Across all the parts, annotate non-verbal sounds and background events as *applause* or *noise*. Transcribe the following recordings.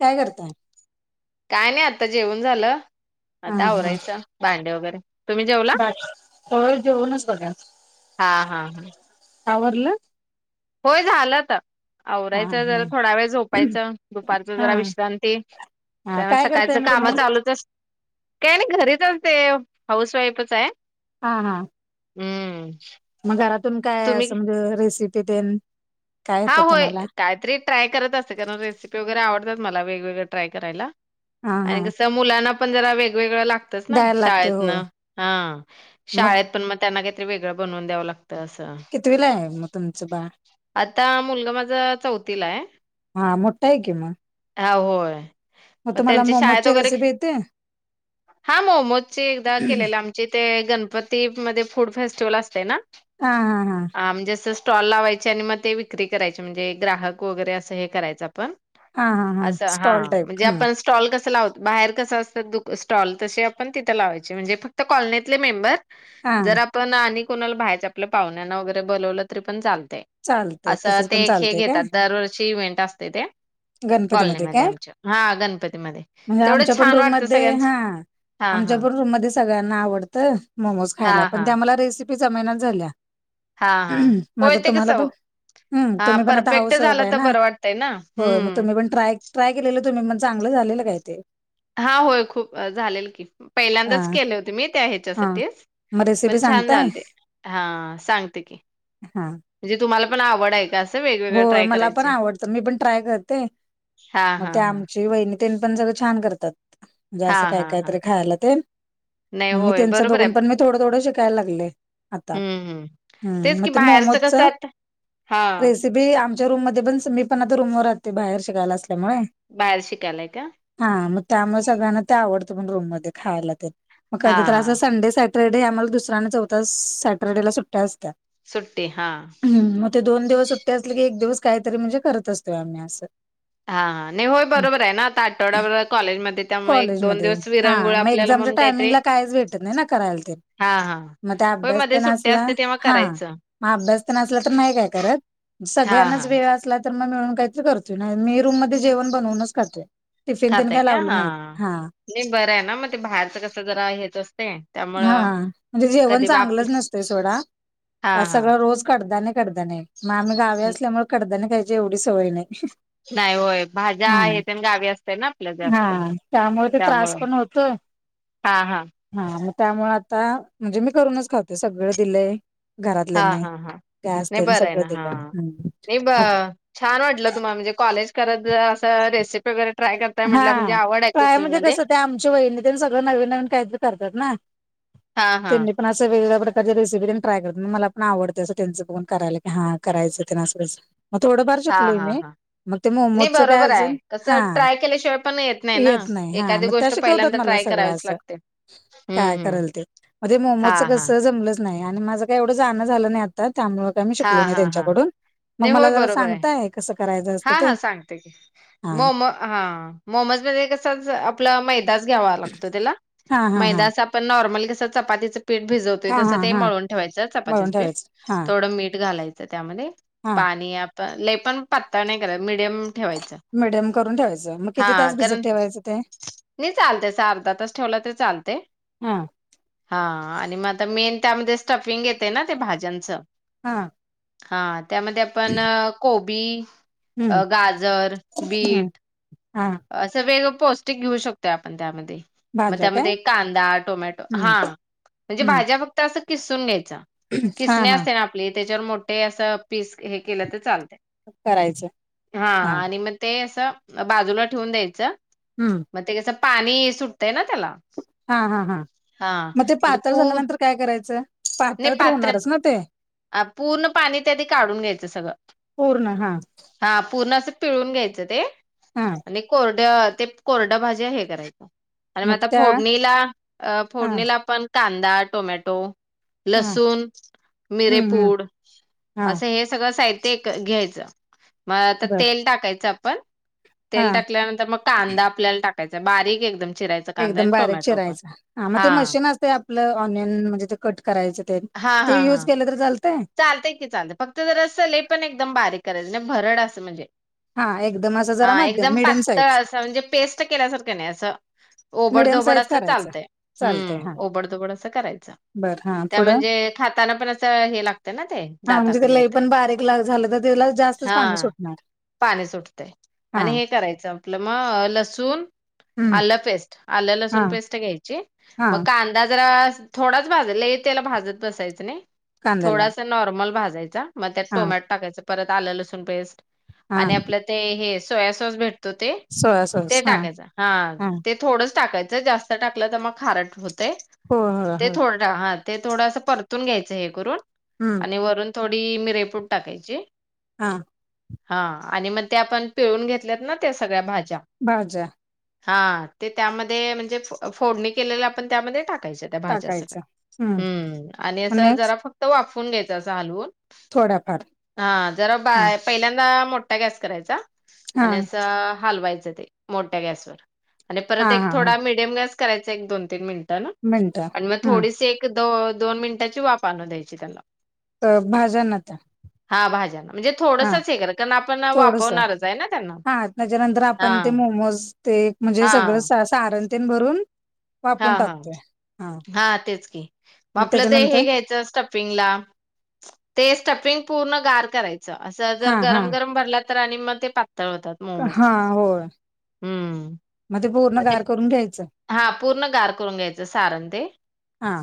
काय करताय? काय नाही आता जेवन झालं, हा आता आवरायचं भांडे वगैरे तुम्ही जेवला *unintelligible* जेऊनच बघा हा हा हा *inaudible* आवरलं? होय झालं आता. हा आवरायचं जर थोडा वेळ झोपायचं दुपारचं हा जरा विश्रांती हा कारण काय करताय सकाळचं मग तुम्ही काम चालूच अस काय नाही घरीच असते, हाऊस वाईफच आहे. हा.. हा. हूं.... मग घरातून काय असं म्हणजे रेसिपी तेन काय हा, येतं होय तुम्हाला काहीतरी ट्राय करत असते, कारण रेसिपी वगैरे आवडत्यात मला वेगवेगळं ट्राय करायला. हा हा आणि कसं मुलांना पण जरा वेगवेगळं लाग तच ना द्यायला लागते होय शाळेतनं हा शाळेत पण मग त्यांना काहीतरी वेगळं बनवून द्यावं लागतयं असं. कितीवीला आहे मग तुमचं बाळ? आता मुलगा माझा चौथीला आहे. हा मोठा आहे की मग हा होय. मग तुम्हाला त्यांच्या शाळेत मोमोजची वगैरे, रेसिपी येते हा मोमोजचं एकदा केले आम चे ते गणपती मध्ये फूड फेस्टिवल असतयं ना, हा हा हा अं म्हंजे असं टॉल लावायचे आणि मग ते विक्री करायचे म्हणजे ग्राहक वगैरे असं हे करायचं आपण. हा हा असं हा स्टॉल टाईप म्हणजे हम्म आपणच स्टॉल कसं लावत बाहेर कसं असतं, दु स्टॉल तसे आपण तिथं लावायचे, म्हणजे फक्त कॉलनीतले मेंबर. हा जर आपण आणि कोणाला बाहेरच्या आपल्या पाहुण्यांना वगैरे बोलावलं तरी पण चालतंय. चालतंय असं तसच ते पण एक हे चालतंय काय घेतात, दरवर्षी इव्हेंट असते ते गणपतीमध्ये काय कॉलनीमध्ये आमच्या, हा गणपतीमध्ये, म्हणजे तेवढंच छान वाटतं सगळ्यांचं आमच्याबरोबर रूम मध्ये सगळ्यांना आवडतंय मोमोज हा खायला, पण हा त्या मला रेसिपी जमेनाच झाल्या. हा. हा. मग होय आता ते कस तुम्हाला चव पण हम्म हा तुम्ही पण आता परफेक्ट हाऊस वाईफ झालं आहे तर ना बरं वाटतंय ना. होय मग हूं... तुम्ही पण ट्राय, ट्राय केलेलं तुम्ही म चांगलं झालेलं काय ते? हा होय खूप झालेलं की, हा पहिल्यांदाच केले होते मी त्या हा ह्येच्यासाठीच. मग रेसिपी पण छान सांगताय झालते हा सांगते कि, हा म्हणजे तुम्हांला पण आवड आहे काय? होय मला पण आवडतं, मी पण ट्राय करते, हा मग हा ते हा आमच्या वहिनी तेन पण सगळं छान करतात म्हणजे हा असं काय- हा काय हा तर खायला तेन नाही मग मी होय त्यांचं बरोबर बघून आहे पण थोडं- थोडं शिकायला लागले. आता हम्म हम्म हुं. मग ते मोमोजच हां च बी आमच्या रूममध्ये पण मी पण आता रूमवर राहते बाहेर शिकायला असल्यामुळे. बाहेर शिकायला हाय का? हा मग त्यामुळं सगळ्यांना ते आवडतं पण रूममध्ये खायला तेन मग हा कधी तर हा असं संडे सा सॅटर्डे आम्हांला दुसऱ्या आणि चौथ्या सॅटरडे ला सुट्ट्या असत्या. सुट्टी हा. ह मग ते दोन दिवस सुट्टते असली की एक दिवस काहीतरी म्हणजे करत असतोय आम्ही असं. हा हा नाही होय बरोबर आहे ना, आता आठवडा कॉलेजमध्ये त्यामुळे एक- दोन दिवस हां विरंगुळ मग आपल्याला एक्झांमच्या म्हणून काहीतरी टायमिंगला काहीच भेटत नाही ना करायला तेन. हा हा मग ते होय अभ्यास मध्ये तेन सुट्टी आसला, असते तेव्हा हा. करायचं मग अभ्यास तेन असला तर नाही काय करत. हा सगळ्यांनाच हा वेळ असला तर मग मिळून काहीतरी करतोय, नाही मी रूम मध्ये जेवण बनवूनच खातोय. टिफिन तेन खाताय काय का लावलं हा नाहीत. हा. नाही बरं आहे ना मग, ते बाहेरच कसं जरा हेच असतंय. हा म्हणजे जेवण चांगलंच नसतंय सोडा. हा आसं हा सगळं रोज कडधान्ये -कडदाने मग आम्हीं गावी असल्यामुळं कडधान्यं खायची एवढी सवय नाही. नाही होय भाज्या हा आहे त्या गावी असतय ना आपल्या जास्त हा त्यामुळे ते त्रास त्यामुळं, पण होतोय हां हां. हा मग त्यामुळे आता म्हणजे मी करूनच खातोय सगळं दिलंय हा घरातल्यानी हा हा गॅस नाही तेन बरं आहे सगळं ना हा दिलंय. नाही ब मग छान वाटलं तुम्हाला म्हणजे कॉलेज करत अस रेसिपी वगैरे ट्राय करताय हा म्हटलं म्हणजे आवड आहे ट्राय कुकिंग म्हणजे मध्ये कसं त्या आमच्या वहिणी तेन सगळं नवीन नवीन काहीतरी करतात ना. हा हा. त्यांनी पण असं वेगवेगळ्या प्रकारची रेसिपी ट्राय करत मग मला पण आवडत असं त्यांचं बघून करायला की हा करायचं ते न असंं मग थोडंफार हा शिकलोय हा मी हा मग ते नाही मोमोजचं काय बरोबर आहे अजून, कसं हां. ट्राय केल्याशिवाय पण येत नाही ना एखादी त्या गोष्ट शिकवतात पहिल्यांदा मला ट्राय सगळं करावीच असं लागते. हम्म काय हम्म करल ते मग ते हा मोमोच हा कस जमलच नाही आणि माझं काही एवढं जाण झालं नाही आता त्यामुळ हा शिकलो नाही हा हा त्यांच्याकडून मग नाही मला होय जरा बरोबर आहे सांगताय, कसं करायचं असतं हा ते? हा सांगते की हा. मोम हा मोमज मध्ये कसच आपलं मैदाच घ्यावा लागतो त्याला हा हा हा मैदाच आप पण नॉर्मली कसं चपातीचं पीठ भिजव तोय हा तसं हा ते हा मळून ठेवायचं मळून चपातीच पीठ ठेवायचं हा थोडं मीठ घालायचं त्यामध्ये हा पाणी प लई पण पातळ नाही करा मिडियम ठेवायचं. मीडियम करून ठेवायचं. मग हा किती तास भिजत कारण ठेवायचं ते? नाही चालतय अस अर्धा तास ठेवला तर चालतय. हा हा आणि मग आता मेन त्यामध्ये स्टफिंग येतय ना ते भाज्यांचं हा. हा त्यामध्ये आपण कोबी, अ हम्म गाजर, बीट, हां. असं वेगळं पौष्टिक घेऊ शकतो आपण त्यामध्ये, मग भाज्या काय त्यामध्ये कांदा, टोमॅटो हम्म हा म्हणजे हम्म भाज्या फक्त असं किसून घ्यायच. हा खिसनी हा असते ना आपली त्याच्यावर मोठे असं पीस हे केलं ते चालतय. करायचं हा आणि मग ते असं बाजूला ठेवून द्यायचं, हम्म. मग ते कसं पाणी सुटतय ना त्याला हा हा हां हा मग ते म्हणजे पातळ पू झाल्यानंतर काय करायचं? नाही पातळ तर पात्र होणारच ना ते, अ पूर्ण पाणी ते आधी काढून घ्यायचं सगळं. पूर्ण हा हा पूर्ण असं पिळून घ्यायचं ते हा आणि कोर ते कोरड भाजी हे करायचं आणि मग आता फोडणीला हा फोडणीला आपण कांदा, टोमॅटो, हा लसूण, हम्म हम्म मिरेपूड हा असं हे सगळं साहित्य घ्यायचं. मग आता बर तेल टाकायचं आपण हा तेल टाकल्यानंतर मग कांदा आपल्याला टाकायचा बारीक एकदम चिराय एकदम बारीक चिरायचा हा मग ते मशीन अस तय आपलं ऑनलाईन म्हणजे ते कट करायच ते, ते युज केलं तर चालतय? चालतय की चालतय फक्त जर असंल पण एकदम बारीक करायचं नाही भरड असं म्हणजे हा एकदम असं हा जरा मध्यम एकदम मिडियम पातळ साईज अस म्हणजे पेस्ट केल्यासारखं नाही असं मिडियम ओबडधोबड साईज असं करायचं चालतंय चालतंय हम्म हा ओबड धोबड असं करायचं. बर हा त्या पुढं म्हणजे खाताना पण असं, हे लागतं ते ना ते. हा, म्हणजे ते दाताखाली लई येतंय. पण बारीक ला, झालं तर तेला जास्तच हा पाणी सुटणार. पाणी सुटतय, हा आणि हे करायचं आपलं म लसूण, आल्ल पेस्ट, हा आल्ल-लसूण पेस्ट घ्यायची. हा तेला, जरा थोडाच भाज, लई त्येला भाजत बसायचं नाही. कांद्याला थोडासा नॉर्मल भाजायचा, मग त्यात हा टोमॅट टाकायच परत आलं लसूण पेस्ट हा आणि आपल्या ते हे सोया सॉस भेटतो ते, सोया ते सॉस हा टाकायचा, हा. ते थोडच टाकायचं, जास्त टाकलं तर मग खारट होतय, हो हो ते हो थोडं हा, ते थोडं असं परतून घ्यायचं हे करून. हम्म आणि वरून थोडी मिरेपूड टाकायची. हा. हा, आणि मग ते आपण पिळून घेतल्यात ना त्या सगळ्या भाज्या. भाज्या. हा, ते त्यामध्ये म्हणजे फोडणी केलेल्या आपण त्यामध्ये टाकायच्यात. त्या भाज्या सगळ्या, हम्म आणि असं जरा नेक्स्ट फक्त वाफून घ्यायचं असं हलवून. थोड्याफार हा, जरा बा हा पहिल्यांदा मोठा गॅस करायचा. हा आणि अस हलवायचं ते, मोठ्या गॅसवर आणि हा परत एक हा हा थोडा मि मध्यम गॅस करायचा एक, दोन- तीन मिनिटान मिनट आणि मग ह थोडीशी एक द, दोन मिनिटाची वाप आणू द्यायची त्याला. अ, भाज्याना त्या? हा भाज्याना. म्हणजे हा थोडसच हे करायच, कारण आपण थोडस वाफवणारच आहे ना त्यांना, हा त्याच्यानंतर आपण हा. ते मोमोज ते एक म्हणजे हा सगळं सारणतेन भरून हा, वाफवून हा टाकतोय हा तेच की, मग आपलं ते हे घ्यायचं. स्टप ला, ते स्टपिंग पूर्ण गार करायच, अस हा जर हा गरम -गरम भरलात आणी म ते पातळ होतात मोमज. हा होय हम्म. पूर्ण मग ते, गार करून घ्यायचं हा पूर्ण गार करून घ्यायचं सारण ते. हा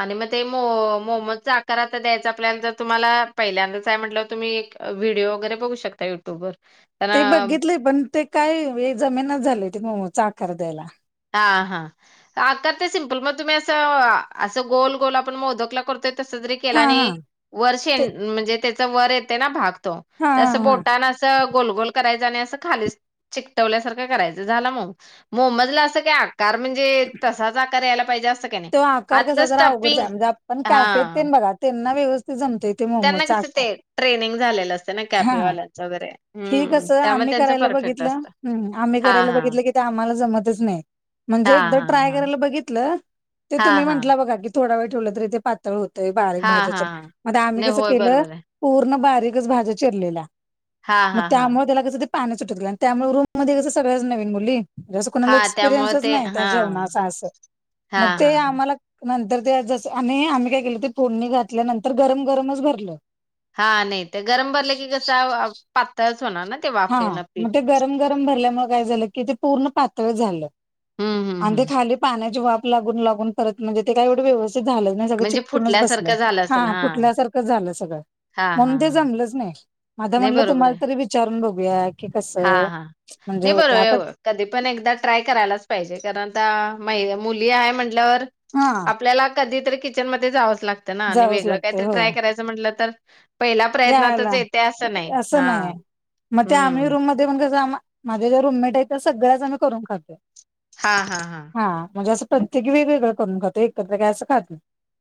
आणि मग ते, मो, मोमजचा आकार आता द्यायचा आपल्याला जर तुम्हाला पहिल्यांदाच आहे म्हटलं तुम्ही एक व्हिडीओ वैगेरे बघू शकता युट्यूबवर. तर ते बघितलय पण, ते काय जमेना झालय ते मोमोजचा आकार द्यायला. हा, हा आ ते सिम्पल मग तुम्ही असं, असं गोल- गोल आपण मोदकला करतोय तस जरी केला हा आणि हा वर ते शेंग म्हणजे त्याच वर येतय ना भाग. हा ते हा असं हा बोटान असं गोल-गोल करायच आणि अस खाली चिकटवल्यासारंख करायच, झाला मोमोज. मोमोज ला अस ते आकार म्हणजे, तसाच आकार यायला पाहिजे अस काय नाही. तो आकार आतलं कसा जरा अवघड स्टपिंग हाय, म्हणजे आपण कॅफेत हा तेन बघा, त्यांना व्यवस्थित जमतय. ते त्यांना मोमोचा कस आकार ते, ट्रेनिंग झालेलं असते ना. हा कॅफेवाल्यांचं वगैरे हम्म त्यामुळे त्यांच परफेक्ट. असतं कुठंल? आम्ही हा करायला हा बघितलं की ते आम्हाला जमतच नाही. हा म्हणजे एकदा हा ट्राय हा करायला बघितलं, ते हा तुम्ही हा म्हटलं बघा की थोडा वेळ ठेवलं तर ते पात होतय बारीक हा भाज्या हा चिर, हा मग आम्ही नाही कसं होय केलं, बरोबर आहे पूर्ण बारीकच भाज्या चिरलेल्या. हा मग हा हा त्यामुळ त्याला कसं ते पाण्या सुटल आणि त्यामुळे रूम मध्ये कस सगळ्याच नवीन मुली म्हणजें कोणाला हा त्यामुळे एक्सपिरियन्सच ते नाही हा त्या जेवणाचा असं, हा मग हा ते हा आम्हाला नंतर ते जस आणि आम्ही काय केलं ते फोडणी घातल्या नंतर गरम- गरमच भरलं. हा नाही, ते गरम भरले की कसं, पातळच होणार ना. ते हा वाफेनं मग पीठ ते गरम गरम भरल्यामुळे काय झालं की ते पूर्ण पातळ झालं. हम्म हम्म आणि ते हम्म खाली पाण्याची वाफ लागून, लागून परत म्हणजे ते काय एवढे व्यवस्थित झालं. *unintelligible* म्हणजे चीकटुन च बसलाय फुटल्यासारखं झालं असेल हा झालं सगळं हा म्हणून हा ते हा जमलंच नाही आता नाही म्हटलं बरोबर तुम्हाला आहे तरी विचारून बघूया. क हा कसं हा म्हणजे नाही हो ते आटत बरोबर आहे. कधी पण एकदा ट्राय करायलाच पाहिजे, कारण आता म मुली आहे म्हटल्यावर, हा आपल्याला कधीतरी किचनमध्येध्ये जावंच लागतं ना, आणि जावंच वेगळं लागतंय काहीतरी हो ट्राय करायचं म्हटलं तर, पहिला प्रयत्नातच यायला येते असं नाही. असं हा नाही आहे मग आम्ही हम्म रूम मध्ये ते पण कसं माझ्या ज्या रुमेट आहे, त्या सगळ्याच आम्ही करून खातो. हा हा हा हा म्हणजे असं प्रत्येकी वेगवेगळं करून खातो, एकत्र ग असं खात नाही.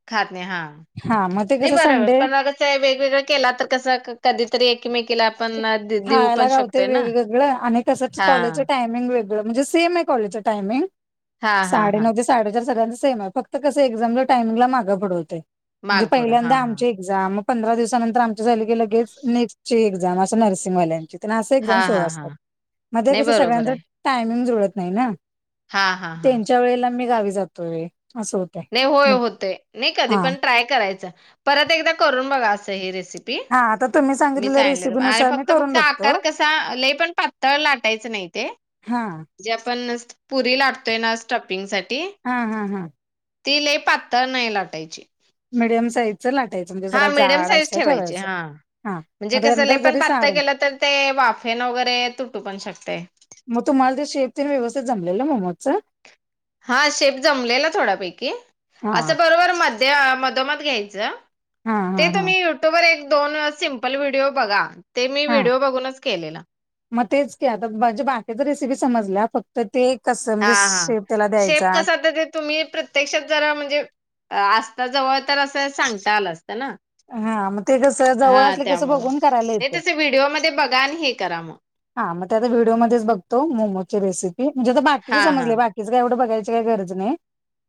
खात नाही हा, हा मग ते नाही कसं बरोबर संडे पण अग वेगवेगळं केला तर कसं कधीतरी एकमेकीला आपण देऊ पण खायला गावते शकतोय ना. हा हा टाइमिंग वेगळं म्हणजे सेम आहे कॉलेजचे टाइमिंग हां, हां, हां. साडे - साडेचार सगळ्यांचं सेम फक्त कस एक्झाम च्या टायमिंग ला माग पुढं होतंय. म्हणजे मागपुडं पहिल्यांदा हां, आम हां. जा मग पंधरा दिवसानंतर आमची झाले गे लगेच नेक्स्टची एक्झाम अस नर्सिंगवाल्यांची. त्यांना अस एक्झम हां, सुरू हां, असतात, हां. मध्ये नाही कस बरोबर सगळ्यांच आहे. टायमिंग जुळत नाही ना, हां, हां, हां. त्यांच्या वेळेला मी गावी जातोय अस होत. नाही होय होत. नाही कधी पण ट्राय करायचं परत एकदा करून बघा असं ही रेसिपी. आता तुम्ही मी सांगितलेल्या सांगले अरे रेसिपीनुसार मी फक्त करून फक्त बघतो. आकार कसा लय पण पातळ लाटायचं नाही ते, हा.. जे आपण पुरी लाटतोय ना स्टपपिंग साठी. हा हा हां ति लय पातळ नाही लाटायची. मीडियम साईज ची. असं लाटायचं. म्हणजे हा जरा मीडियम जाड साईज असं ठेवायचे ठेवायचं हा. हा म्हणजे मग कसं त्यानंतर लय पण जरी पातळ सारण केलं तर ते वाफेन वगैरे तुटू पण शकते. मग तुम्हाला ते शेफतीन व्यवस्थित जमलेलं मोमोजचं? हा शेप जमलेला थोड्यापैकी, हा असं बरोबर मध्ये मधोमध घ्यायचं. हा ते हा हा. तुम्ही युट्यूबवर व एक दोन सिमपल व्हिडिओ बघा. ते मी हा. व्हिडिओ बघूनच केलेलं. मग तेच की आता बाकीची रेसिपी समजल्या, फक्त तर ते कसं हा म्हणजे हा शेप त्याला शेप द्यायचा. कसा तर ते तुम्ही प्रत्यक्षात जरा म्हणजे, असता जवळ तर असं सांगता आलं असतं ना. हा मग ते कस जवळ असले कसं बघून करायला येतं. व्हिडिओमध्येध्ये बघा आणि हे करा मग. हा मग त्या आता व्हिडिओमध्येच बघतो. मोमोची रेसिपी म्हणजे आता बाकीचे हा हा समजले बाकी हेच काय एवढं बघायची काही गरज नाही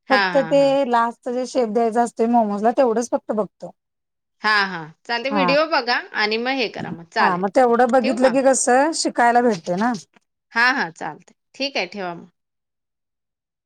हा फक्त हा हा ते लास्ट जे शेप द्यायचा असतय मोमोज ला तेवढंच फक्त बघतो. हा हा चालेल हा व्हिडिओ बघा आणि मग हे करा मग चालेल ठेव का? तर शिकायला भेटते ना. हा हा चालत ठीक आहे ठेवा मग.